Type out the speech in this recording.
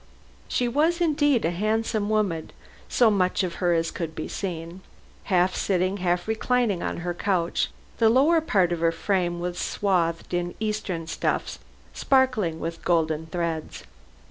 She was, indeed, a handsome woman so much of her as could be seen. Half sitting, half reclining on her couch, the lower part of her frame was swathed in eastern stuffs sparkling with gold threads.